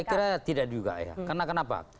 saya kira tidak juga ya karena kenapa